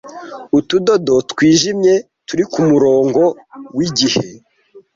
utudodo twijimye turi kumurongo wigihe